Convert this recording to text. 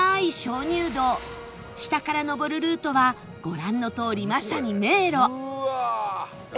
下から上るルートはご覧のとおりまさに迷路